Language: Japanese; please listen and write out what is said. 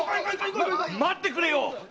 待ってくれ！